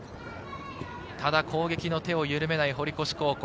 攻撃の手を緩めない堀越高校。